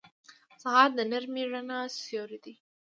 سهار د نرمې رڼا سیوری دی.